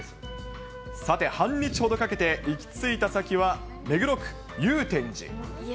さて、半日ほどかけて行き着いた先は目黒区祐天寺。